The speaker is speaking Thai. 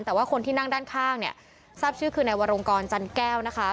แต่ว่าคนที่นั่งด้านข้างเนี่ยทราบชื่อคือนายวรงกรจันแก้วนะคะ